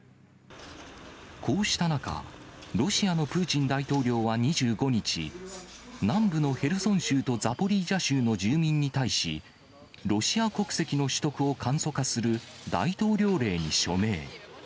こうした中、ロシアのプーチン大統領は２５日、南部のヘルソン州とザポリージャ州の住民に対し、ロシア国籍の取得を簡素化する大統領令に署名。